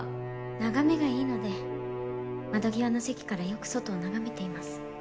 眺めがいいので窓際の席からよく外を眺めています